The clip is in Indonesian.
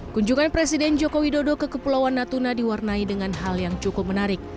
kunjungan presiden joko widodo ke kepulauan natuna diwarnai dengan hal yang cukup menarik